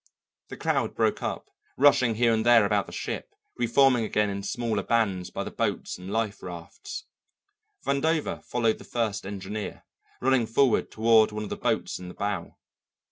The crowd broke up, rushing here and there about the ship, reforming again in smaller bands by the boats and life rafts. Vandover followed the first engineer, running forward toward one of the boats in the bow.